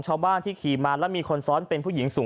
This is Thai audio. จังหวะเดี๋ยวจะให้ดูนะ